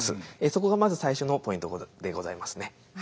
そこがまず最初のポイントでございますね。